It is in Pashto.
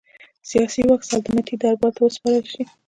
سیاسي واک سلطنتي دربار ته وسپارل شي.